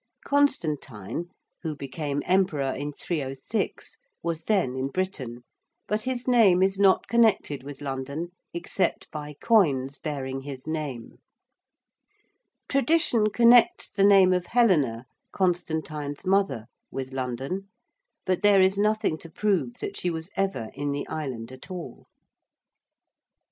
Constantine, who became emperor in 306, was then in Britain, but his name is not connected with London except by coins bearing his name. Tradition connects the name of Helena, Constantine's mother, with London, but there is nothing to prove that she was ever in the island at all.